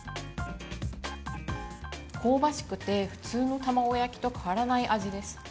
香ばしくて、普通の卵焼きと変わらない味です。